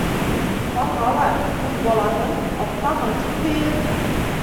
Ҡарға ла үҙ балаһын «аппағым» тип һөйөр